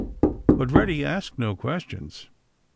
But Reddy asked no questions.